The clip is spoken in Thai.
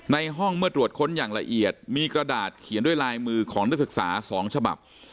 ในห้องเมื่อตรวจค้นอย่างละเอียดมีกระดาษเขียนด้วยลายมือของนักศึกษา๒ฉบับ